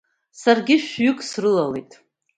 Саргьы шәҩык срылалеит.